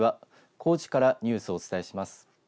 高知からニュースをお伝えします。